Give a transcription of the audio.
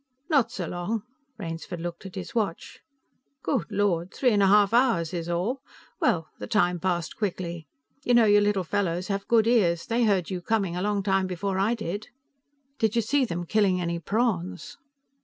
"Not so long." Rainsford looked at his watch. "Good Lord, three and half hours is all. Well, the time passed quickly. You know, your little fellows have good ears. They heard you coming a long time before I did." "Did you see them killing any prawns?"